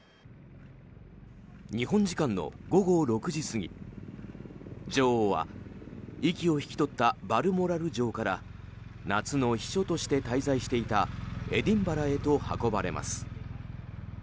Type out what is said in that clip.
日本時間の午後６時過ぎ、女王は息を引き取ったバルモラル城から夏の避暑として滞在していたエディンバラへと運ばれます。